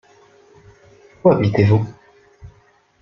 Où habitez-vous ?